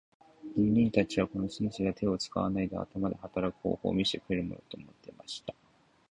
人民たちはこの紳士が手を使わないで頭で働く方法を見せてくれるものと思っていました。